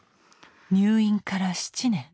入院から７年。